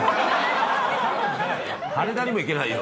羽田にも行けないよ。